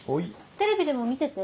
テレビでも見てて。